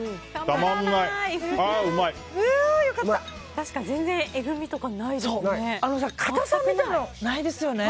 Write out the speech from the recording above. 確かに全然、えぐみとかないですね。